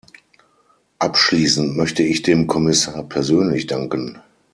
Abschließend möchte ich dem Kommissar persönlich danken.